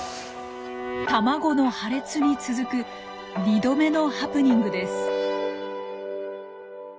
卵の破裂に続く２度目のハプニングです。